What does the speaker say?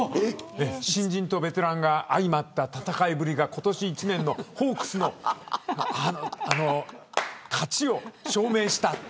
新人とベテランが相まった戦いぶりが今年一年のホークスの勝ちを証明した。